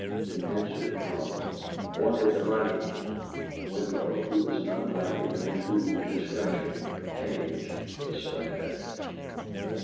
He answered calmly: "Wanted the money." Winlow, who was not lacking in cool discretion, changed the subject.